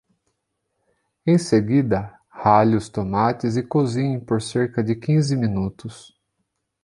Em seguida, rale os tomates e cozinhe por cerca de quinze minutos.